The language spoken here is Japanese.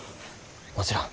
もちろん。